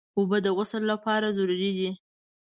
اوبه د غسل لپاره ضروري دي.